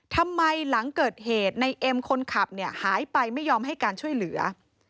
หลังเกิดเหตุในเอ็มคนขับเนี่ยหายไปไม่ยอมให้การช่วยเหลือ